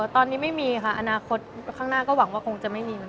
ตอนนี้ไม่มีค่ะอนาคตข้างหน้าก็หวังว่าคงจะไม่มี